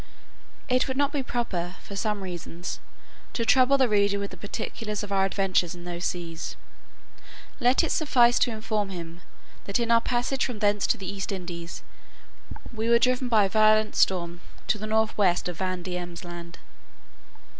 It would not be proper, for some reasons, to trouble the reader with the particulars of our adventures in those seas; let it suffice to inform him, that in our passage from thence to the East Indies, we were driven by a violent storm to the north west of Van Diemen's Land.